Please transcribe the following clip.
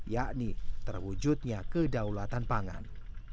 yakni terwujudnya kedaulatan pangan